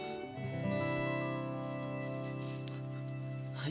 はい。